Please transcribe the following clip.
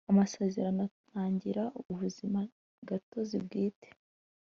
amasezerano ntagira ubuzimagatozi bwite.